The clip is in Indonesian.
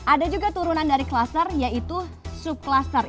ada juga turunan dari kluster yaitu sub cluster